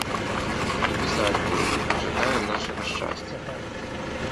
І пісаць буду, і прычакаем нашага шчасця.